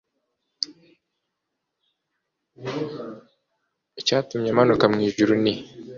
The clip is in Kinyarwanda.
icyatumy'amanuka mw'ijuru ni